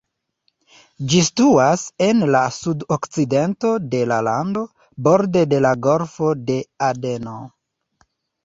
Ĝi situas en la sudokcidento de la lando, borde de la Golfo de Adeno.